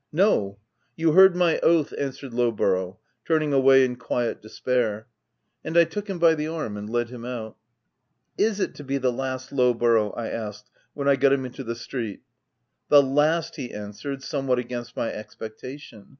"'No ; you heard my oath/ answered Low borough, turning away in quiet despair. And I took him by the arm and led him out. "* Is it to be the last, Lowborough?' I asked, when I got him into the street. " c The last,' he answered, somewhat against my expectation.